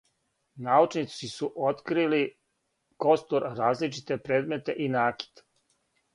Научници су открили костур, различите предмете и накит.